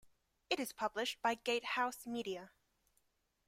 It is published by GateHouse Media.